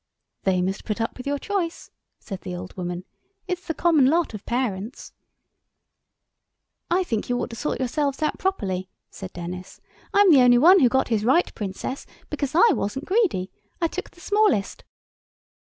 "They must put up with your choice," said the old woman, "it's the common lot of parents." "I think you ought to sort yourselves out properly," said Denis; "I'm the only one who's got his right Princess—because I wasn't greedy. I took the smallest."